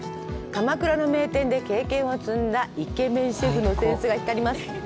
鎌倉の名店で経験を積んだイケメンシェフのセンスが光ります。